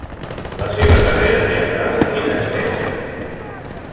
La seva carrera teatral és extensa.